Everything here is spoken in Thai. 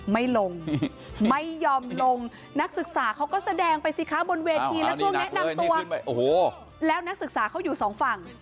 ไม่ลงไม่ยอมลงนักศึกษาเขาก็แสดงไปสิคะบนเวทีแล้วช่วงแนะนำตัวแล้วนักศึกษาเขาอยู่สองฝั่ง